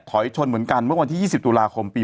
ชนเหมือนกันเมื่อวันที่๒๐ตุลาคมปี๒๕